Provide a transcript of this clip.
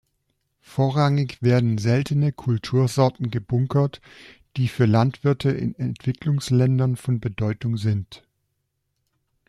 Vorrangig werden seltene Kultursorten gebunkert, die für Landwirte in Entwicklungsländern von Bedeutung sind.